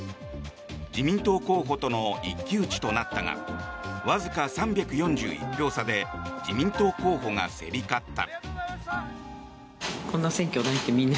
自民党候補との一騎打ちとなったがわずか３４１票差で自民党候補が競り勝った。